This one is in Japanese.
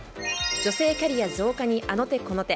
女性キャリア増加にあの手この手。